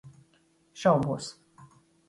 Šaubos.